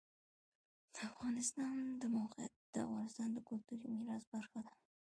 د افغانستان د موقعیت د افغانستان د کلتوري میراث برخه ده.